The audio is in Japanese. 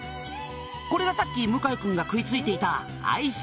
「これがさっき向井君が食い付いていた」